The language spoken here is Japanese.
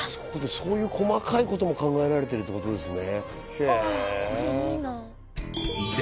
そういう細かいことも考えられてるってことですね